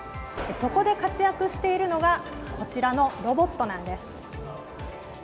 そこで活躍しているのがこちらのロボットなんです。